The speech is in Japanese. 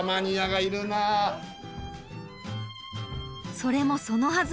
それもそのはず。